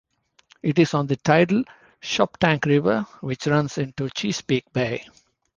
It is on the tidal Choptank River, which runs into Chesapeake Bay.